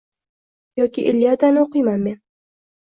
Yoki iliadani o’qiyman men.